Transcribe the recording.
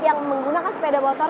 yang menggunakan sepeda motor